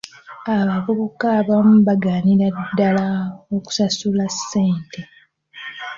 Abavubuka abamu bagaanira ddaala okusasula ssente.